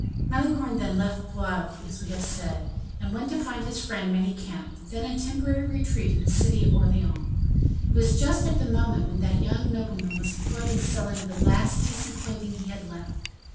Malicorne, then, left Blois, as we have said, and went to find his friend, Manicamp, then in temporary retreat in the city of Orleans. It was just at the moment when that young nobleman was employed in selling the last decent clothing he had left.